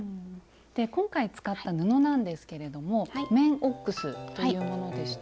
今回使った布なんですけれども綿オックスというものでした。